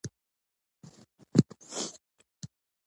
بې ځمکو کسانو ستره ډله په روم کې دېره شوه